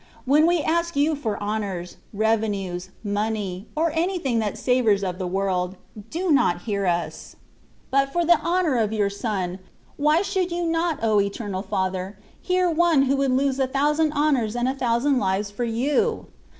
When we ask You for honours, revenues, money, or anything that savours of tha 14 THE WAY OP PERFECTION. world, do not hear us : but for the honour of Your Son, why should You not, O Eternal Father! hear one who would lose a thousand honours and a thousand lives for You